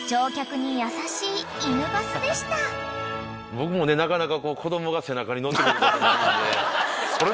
僕もねなかなか。